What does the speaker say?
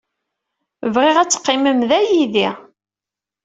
Bɣiɣ ad teqqimem da, yid-i.